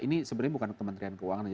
ini sebenarnya bukan kementerian keuangan